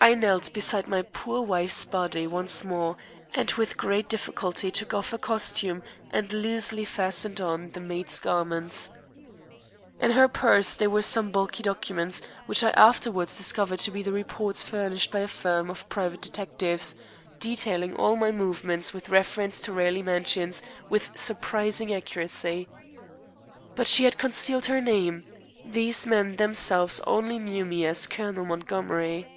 I knelt beside my poor wife's body once more, and with great difficulty took off her costume and loosely fastened on the maid's garments. In her purse there were some bulky documents, which I afterwards discovered to be the reports furnished by a firm of private detectives, detailing all my movements with reference to Raleigh Mansions with surprising accuracy. But she had concealed her name. These men themselves only knew me as "Colonel Montgomery."